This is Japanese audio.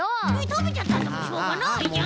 たべちゃったんだもんしょうがないじゃん。